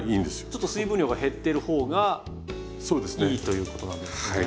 ちょっと水分量が減ってる方がいいということなんですね。